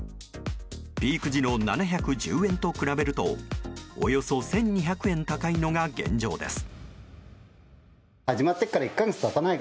ピーク時の７１０円と比べるとおよそ１２００円高いのが現状です。